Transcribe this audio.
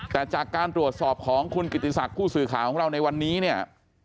แต่จากการตรวจสอบของคุณกิติศักดิ์ผู้สื่อข่าวของเราในวันนี้เนี่ย